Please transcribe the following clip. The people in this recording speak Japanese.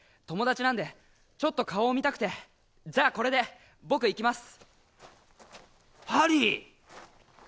友達なんでちょっと顔を見たくてじゃあこれで僕行きますハリー！